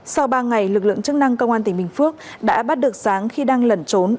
sau ba ngày lực lượng chức năng công an tỉnh bình phước đã bắt được sáng khi đang lẩn trốn